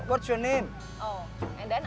tentu kenapa tidak